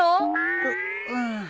うっうん。